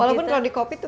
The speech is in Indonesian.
walaupun kalau di kopi itu